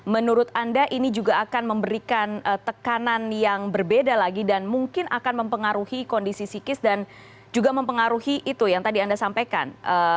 menurut anda ini juga akan memberikan tekanan yang berbeda lagi dan mungkin akan mempengaruhi kondisi psikis dan juga mempengaruhi itu yang tadi anda sampaikan